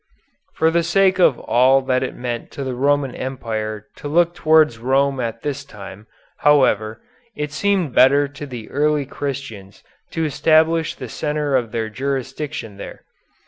For the sake of all that it meant in the Roman Empire to look towards Rome at this time, however, it seemed better to the early Christians to establish the centre of their jurisdiction there.